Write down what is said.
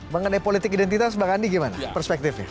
mengenai politik identitas bang andi gimana perspektifnya